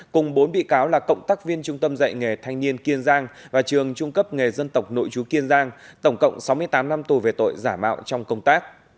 cùng bốn bị cáo là cộng tác viên trung tâm dạy nghề thanh niên kiên giang và trường trung cấp nghề dân tộc nội chú kiên giang tổng cộng sáu mươi tám năm tù về tội giả mạo trong công tác